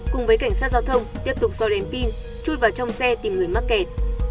cùng với cảnh sát giao thông tiếp tục soi đèn pin chui vào trong xe tìm người mắc kẹt